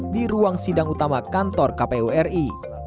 di ruang sidang utama kantor kpu ri